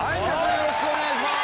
よろしくお願いします。